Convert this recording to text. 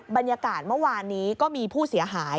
บรรยากาศเมื่อวานนี้ก็มีผู้เสียหาย